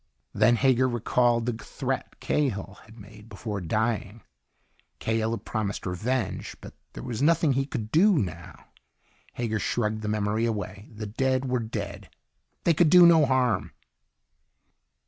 Then Hager recalled the threat Cahill had made before dying. Cahill had promised revenge, but there was nothing he could do now. Hager shrugged the memory away. The dead were dead. They could do no harm.